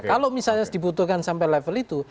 kalau misalnya dibutuhkan sampai level itu